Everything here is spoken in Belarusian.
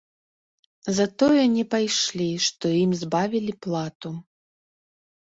За тое не пайшлі, што ім збавілі плату.